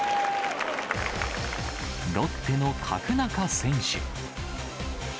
ロッテの角中選手。